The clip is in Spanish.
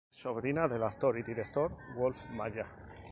Es sobrina del actor y director Wolf Maya.